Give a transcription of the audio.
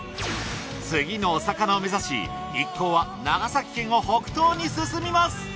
次のお魚を目指し一行は長崎県を北東に進みます！